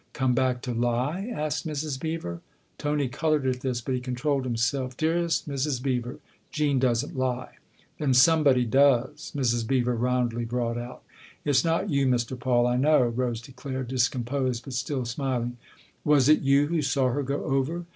" Come back to lie ?" asked Mrs. Beever. Tony coloured at this, but he controlled himself. " Dearest Mrs. Beever, Jean doesn't lie." " Then somebody does !" Mrs. Beever roundly brought out. " It's not you, Mr. Paul, I know !" Rose declared, discomposed but still smiling. "Was it you who saw her go over